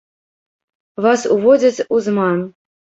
Вас уводзяць у зман.